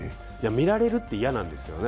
見られるって嫌なんですよね。